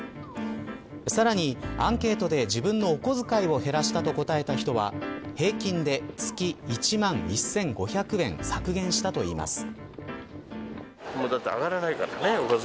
さらにアンケートで自分のお小遣いを減らしたと答えた人は平均で月１万１５００円削減したということです。